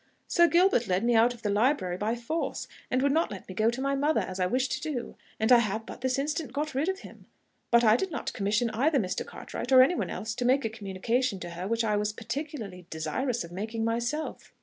Sir Gilbert led me out of the library by force, and would not let me go to my mother, as I wished to do, and I have but this instant got rid of him; but I did not commission either Mr. Cartwright or any one else to make a communication to her which I was particularly desirous of making myself."